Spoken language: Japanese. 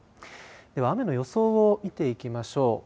では雨の予想を見ていきましょう。